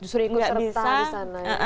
justru ikut serta di sana